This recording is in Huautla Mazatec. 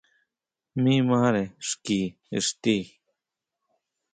Mi mare xki ixti.